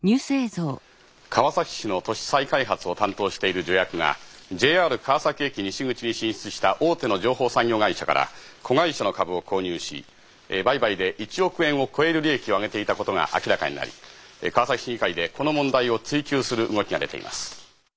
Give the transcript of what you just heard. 川崎市の都市再開発を担当している助役がＪＲ川崎駅西口に進出した大手の情報産業会社から子会社の株を購入し売買で１億円を超える利益を上げていたことが明らかになり川崎市議会でこの問題を追及する動きが出ています。